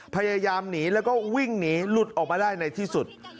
พยายามหนีแล้วก็วิ่งหนีหลุดออกมาได้ในที่สุด